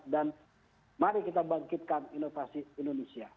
dan mari kita bangkitkan inovasi indonesia